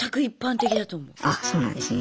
あそうなんですね。